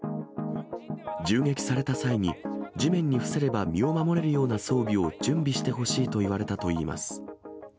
銃撃された際に、地面に伏せれば身を守れるような装備を準備してほしいと言われたといいます。